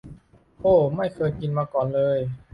โอว ไม่เคยกินมาก่อนเลย